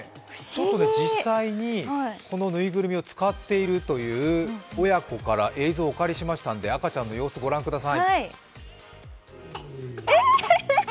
実際に、この縫いぐるみを使っているという親子から映像をお借りしましたので、赤ちゃんの様子、ご覧ください。